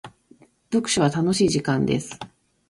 読書は楽しい時間です。